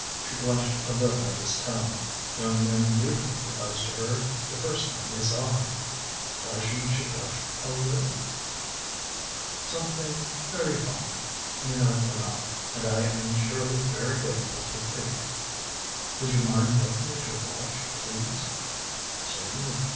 She blushed a little at his tone. Young men usually proposed to her the first time they saw her. Why shouldn't she blush a little? "Something very fine," Minot went on. "And I am surely very grateful to fate " "Would you mind looking at your watch please?" "Certainly.